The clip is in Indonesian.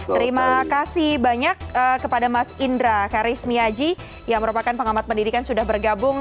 terima kasih banyak kepada mas indra karismiaji yang merupakan pengamat pendidikan sudah bergabung